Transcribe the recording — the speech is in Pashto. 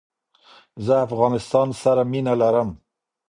زه افغانستان سر مینه لرم